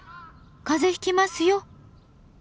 風邪ひきますよ！